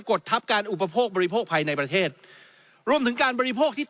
ดทัพการอุปโภคบริโภคภายในประเทศรวมถึงการบริโภคที่